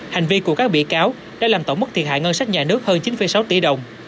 hành vi của các bị cáo đã làm tổng mức thiệt hại ngân sách nhà nước hơn chín sáu tỷ đồng